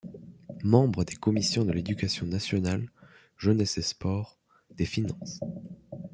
Membre des Commissions de l'Éducation nationale, Jeunesse et Sports, des Finances.